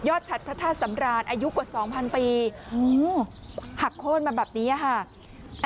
ชัดพระธาตุสำราญอายุกว่าสองพันปีหักโค้นมาแบบนี้ค่ะ